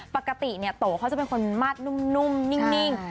ปกติโตเขาจะเป็นคนมาดนุ่มนิ่ง